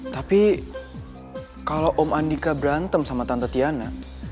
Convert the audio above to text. tapi kalau om andika berantem sama tante tiana